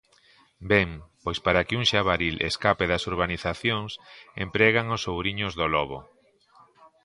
Ben, pois para que un xabaril escape das urbanizacións empregan os ouriños do lobo.